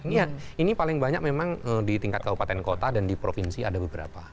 iya ini paling banyak memang di tingkat kabupaten kota dan di provinsi ada beberapa